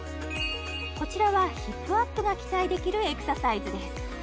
こちらはヒップアップが期待できるエクササイズです